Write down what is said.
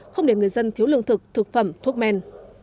không để người dân thiếu lương thực thực phẩm thuốc men